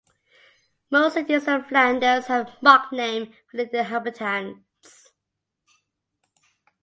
Most cities in Flanders have a mock name for their inhabitants.